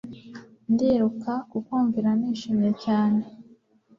Ndiruka kukumvira nishimye cyane